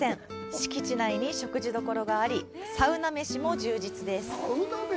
敷地内に食事処がありサウナ飯も充実です。